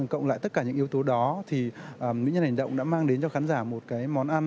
cộng lại tất cả những yếu tố đó thì mỹ nhân hành động đã mang đến cho khán giả một cái món ăn